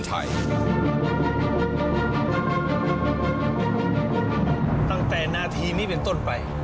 ตั้งแต่นาทีนี้เป็นต้นไป